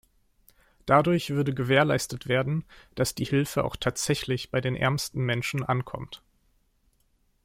Dadurch würde gewährleistet werden, dass die Hilfe auch tatsächlich bei den ärmsten Menschen ankommt.